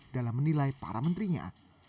dalam menilai para menterinya